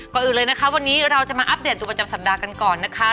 ก่อนอื่นเลยนะคะวันนี้เราจะมาอัปเดตตัวประจำสัปดาห์กันก่อนนะคะ